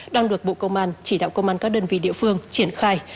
đang được bộ công an chỉ đạo công an các đơn vị địa phương triển khai